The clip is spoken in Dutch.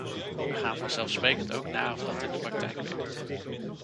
We gaan vanzelfsprekend ook na of dat in de praktijk werkt.